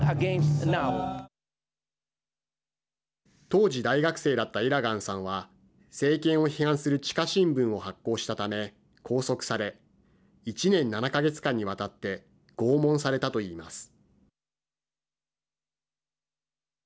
当時大学生だったイラガンさんは政権を批判する地下新聞を発行したため拘束され１年７か月間にわたって拷問されたといいます。